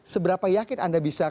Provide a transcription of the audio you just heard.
seberapa yakin anda bisa